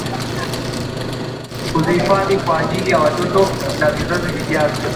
Kuzihifadhi kwa ajili ya watoto na vizazi vijavyo.